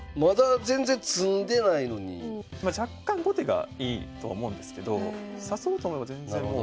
若干後手がいいと思うんですけど指そうと思えば全然もう。